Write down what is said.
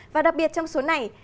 và đặc biệt trong số này